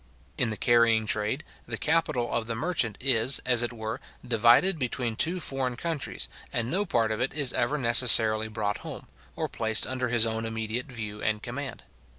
In the carrying trade, the capital of the merchant is, as it were, divided between two foreign countries, and no part of it is ever necessarily brought home, or placed under his own immediate view and command.